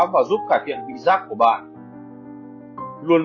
và giúp cải thiện tương lai